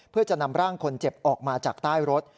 เพื่อจะนำร่างคนเจ็บออกมาจากใต้รถ